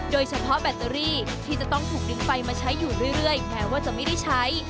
แบตเตอรี่ที่จะต้องถูกดึงไฟมาใช้อยู่เรื่อยแม้ว่าจะไม่ได้ใช้